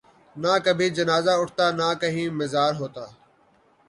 نہ کبھی جنازہ اٹھتا نہ کہیں مزار ہوتا